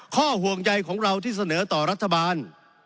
ข้อห่วงใยของเราที่เสนอต่อรัฐบาล